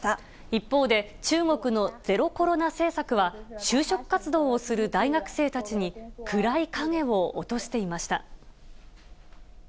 一方で、中国のゼロコロナ政策は、就職活動をする大学生たちに、暗い影を落としていました。